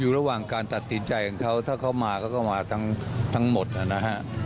ระหว่างการตัดสินใจของเขาถ้าเขามาเขาก็มาทั้งหมดนะฮะ